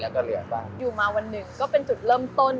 อยู่มาวันหนึ่งก็เป็นจุดเริ่มต้น